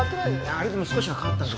あれでも少しは変わったんです。